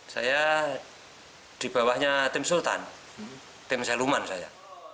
saya di bawahnya tim sultan tim seluman saya